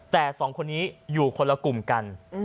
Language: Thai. แต่สองคนนี้อยู่คนละกลุ่มกัน